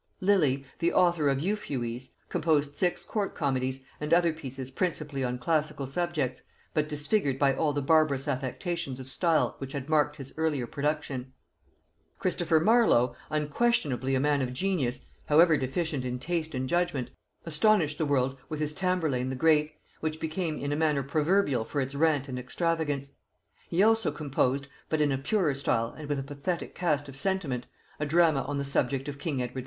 Lilly, the author of Euphues, composed six court comedies and other pieces principally on classical subjects, but disfigured by all the barbarous affectations of style which had marked his earlier production. Christopher Marlow, unquestionably a man of genius, however deficient in taste and judgement, astonished the world with his Tamburlain the Great, which became in a manner proverbial for its rant and extravagance: he also composed, but in a purer style and with a pathetic cast of sentiment, a drama on the subject of king Edward II.